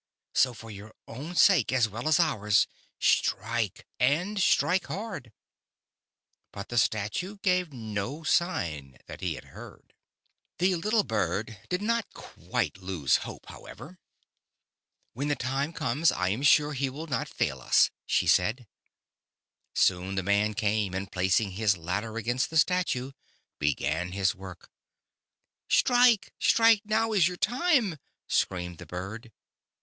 So for your own sake, as well as ours, strike, and strike hard." But the Statue gave no sign that he had heard. i8o The Statue and the Birds. The little Bird did not quite lose hope, how ever. "When the time comes, I am sure he will not fail us," she said. Soon the man came, and placing his ladder against the Statue, began his work. "Strike, strike, now is your time," screamed the Bird.